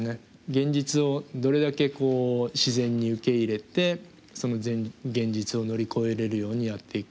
現実をどれだけ自然に受け入れてその現実を乗り越えれるようにやっていくか。